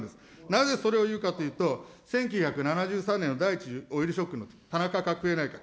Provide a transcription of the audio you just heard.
なぜそれを言うかというと、１９７３年の第１次オイルショックの田中角栄内閣。